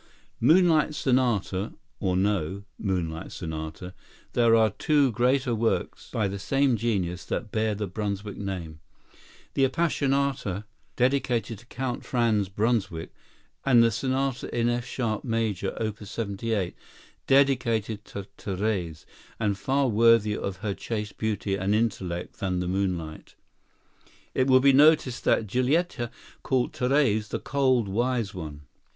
"Moonlight Sonata," or no "Moonlight Sonata," there are two greater works by the same genius that bear the Brunswick name,—the "Appassionata," dedicated to Count Franz Brunswick, and the sonata in F sharp major, Opus 78, dedicated to Therese, and far worthier of her chaste beauty and intellect than the "Moonlight." It will be noticed that Giulietta called Therese the "cold, wise one."